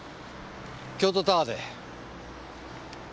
京都タワーで。